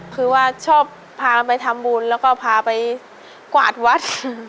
คือว่าชอบพากันไปทำบุญแล้วก็พาไปกวาดวัด